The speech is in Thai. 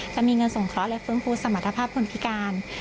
จะมีเงินสงเคราะห์และฟื้นฟูสมรรถภาพคนพิการ